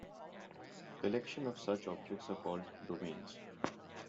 Collections of such objects are called domains.